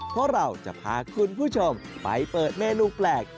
เพราะเราจะพาคุณผู้ชมไปเปิดเมนูแปลก